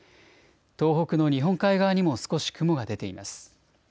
東北の日本海側にも少し雲が出ています。